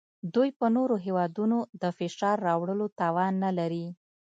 دوی په نورو هیوادونو د فشار راوړلو توان نلري